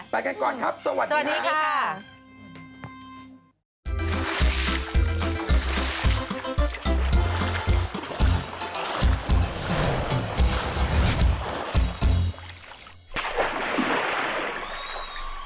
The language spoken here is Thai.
ไปกันก่อนครับสวัสดีค่ะสวัสดีค่ะ